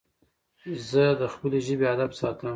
زه د خپلي ژبي ادب ساتم.